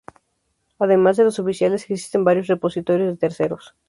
Además de los oficiales, existen varios repositorios de terceros.